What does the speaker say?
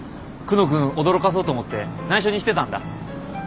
久能君驚かそうと思って内緒にしてたんだ。